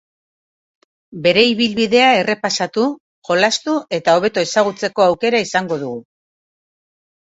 Bere ibilbidea errepasatu, jolastu eta hobeto ezagutzeko aukera izango dugu.